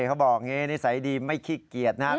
เขาบอกอย่างนี้นิสัยดีไม่ขี้เกียจนะครับ